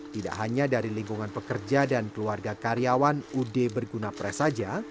tidak hanya dari lingkungan pekerja dan keluarga karyawan ud berguna pres saja